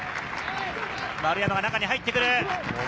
丸山が中に入ってくる。